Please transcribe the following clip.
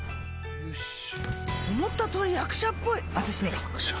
よーし思った通り役者っぽい私ね‥